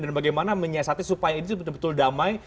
dan bagaimana menyiasati supaya itu betul betul damai